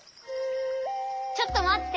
ちょっとまって！